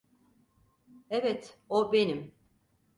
Evet, o benim.